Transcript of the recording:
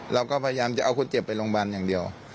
เราก็พยายามจะเอาคนเจ็บไปโรงพยาบาลอย่างเดียว